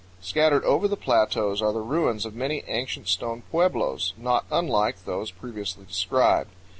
Scattered over the plateaus are the ruins of many ancient stone pueblos, not unlike those previously described.